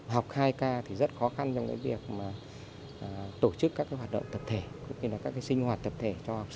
học hai k thì rất khó khăn trong cái việc mà tổ chức các hoạt động tập thể cũng như là các cái sinh hoạt tập thể cho